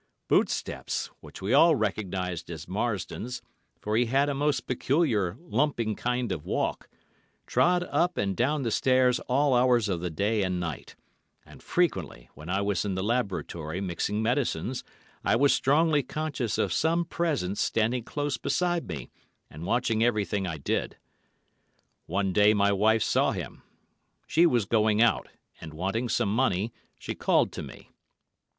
"Footsteps, which we all recognised as Marsdon's, for he had a most peculiar lumping kind of walk, trod up and down the stairs all hours of the day and night, and frequently when I was in the laboratory mixing medicines I was strongly conscious of some presence standing close beside me and watching everything I did. One day my wife saw him. She was going out, and wanting some money, she called to me.